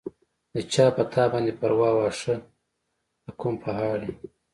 د چا پۀ تا باندې پرواه، واښۀ د کوم پهاړ ئې